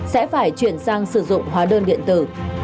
sẽ phải chuyển sang sử dụng hóa đơn điện tử